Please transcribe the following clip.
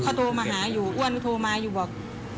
เขาโทรมาหาอยู่อ้วนก็โทรมาอยู่บอก